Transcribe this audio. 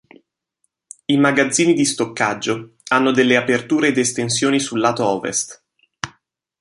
I magazzini di stoccaggio hanno delle aperture ed estensioni sul lato ovest.